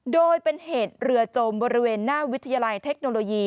โดยเป็นเหตุเรือจมบริเวณหน้าวิทยาลัยเทคโนโลยี